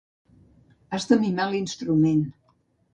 Has de mimar l'instrument.